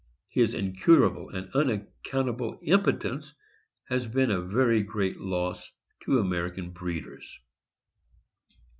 His incurable and unaccountable im potence has been a very great loss to American breeders.